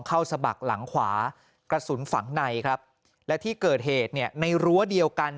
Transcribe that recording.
สะบักหลังขวากระสุนฝังในครับและที่เกิดเหตุเนี่ยในรั้วเดียวกัน